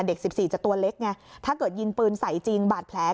เด็ก๑๔จะตัวเล็กไงถ้าเกิดยิงปืนใส่จริงบาดแผล